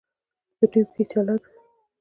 په ټیم کې چلند